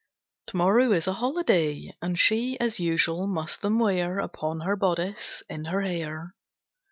To morrow is a holiday, And she, as usual, must them wear Upon her bodice, in her hair.